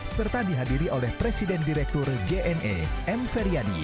serta dihadiri oleh presiden direktur jne m feryadi